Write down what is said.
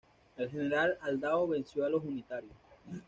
El general Aldao venció a los unitarios.